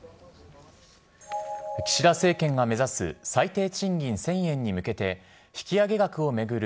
岸田政権が目指す最低賃金１０００円に向けて引き上げ額を巡る